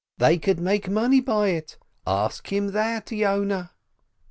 They could make money by it. Ask him that, Yoneh